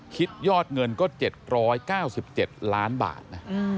คิดยอดเงินก็๗๙๗ล้านบาทนะ